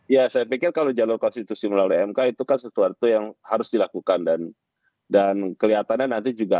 ya saya pikir kalau jalur konstitusi melalui mk itu kan sesuatu yang harus dilakukan dan kelihatannya nanti juga akan apa namanya bisa kelihatan apa yang terjadi di